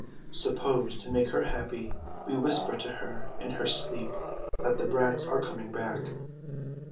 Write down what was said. Suppose, to make her happy, we whisper to her in her sleep that the brats are coming back.